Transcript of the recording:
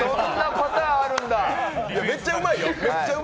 めっちゃうまいよ。